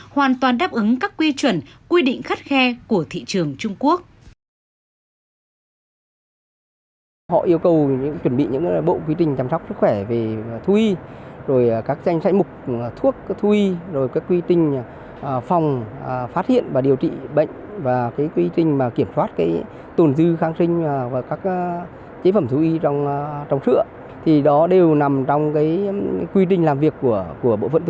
hoàn toàn đáp ứng các quy chuẩn quy định khắt khe của thị trường trung quốc